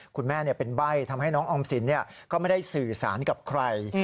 คุณแม่เป็นใบ้ทำให้น้องออมสินก็ไม่ได้สื่อสารกับใคร